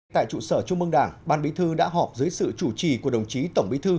tại trụ sở trung mương đảng ban bí thư đã họp dưới sự chủ trì của đồng chí tổng bí thư